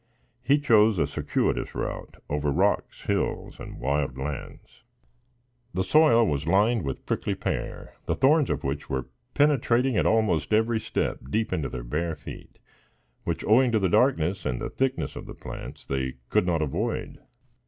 He chose a circuitous route, over rocks, hills and wild lands. The soil was lined with the prickly pear, the thorns of which were penetrating, at almost every step, deep into their bare feet, which, owing to the darkness and the thickness of the plants, they could not avoid.